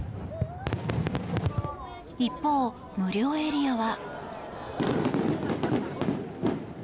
一方、無料エリアは。